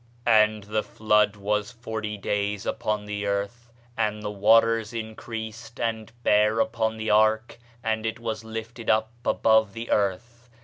"And the flood was forty days upon the earth; and the waters increased, and bare up the ark, and it was lifted up above the earth.